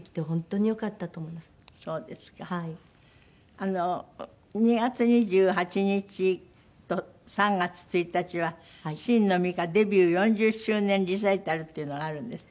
あの２月２８日と３月１日は「神野美伽デビュー４０周年リサイタル」っていうのがあるんですって？